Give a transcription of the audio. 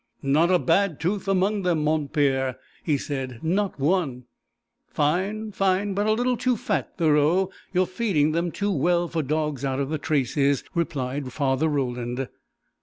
"Not a bad tooth among them, mon Père," he said. "Not one!" "Fine fine but a little too fat, Thoreau. You're feeding them too well for dogs out of the traces," replied Father Roland.